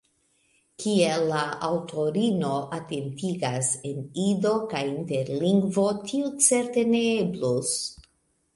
Kiel la aŭtorino atentigas, en Ido kaj Interlingvo tio certe ne eblus.